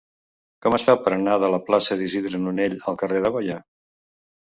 Com es fa per anar de la plaça d'Isidre Nonell al carrer de Goya?